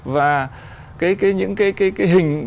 và cái hình